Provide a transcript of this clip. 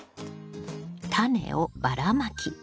タネをばらまき。